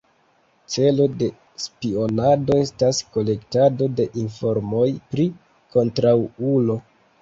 Celo de spionado estas kolektado de informoj pri kontraŭulo.